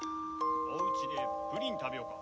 おうちでプリン食べようか。